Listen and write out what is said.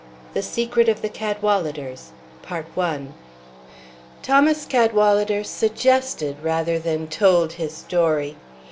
THE SECRET OF THE CADWALADERS. Thomas Cadwalader suggested rather than told his story.